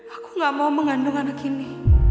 aku gak mau mengandung anak ini